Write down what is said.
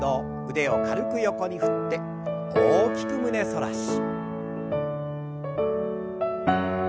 腕を軽く横に振って大きく胸反らし。